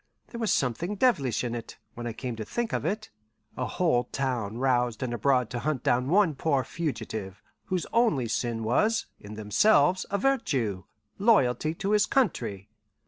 There was something devilish in it, when I came to think of it: a whole town roused and abroad to hunt down one poor fugitive, whose only sin was, in themselves, a virtue loyalty to his country.